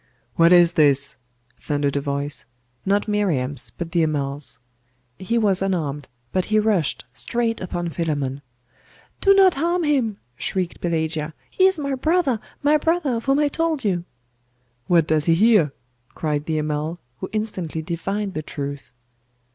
'What is this?' thundered a voice; not Miriam's, but the Amal's. He was unarmed but he rushed straight upon Philammon. 'Do not harm him!' shrieked Pelagia; 'he is my brother my brother of whom I told you!' 'What does he here?' cried the Amal, who instantly divined the truth.